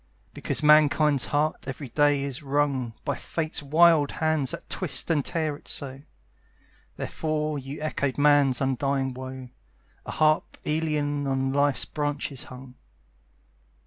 Because Mankind's heart every day is wrung By Fate's wild hands that twist and tear it so, Therefore you echoed Man's undying woe, A harp Aeolian on Life's branches hung.